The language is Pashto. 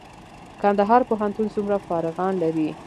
کندهار پوهنتون څومره فارغان لري؟